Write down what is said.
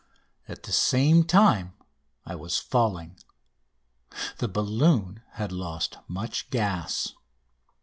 At the same time I was falling. The balloon had lost much gas.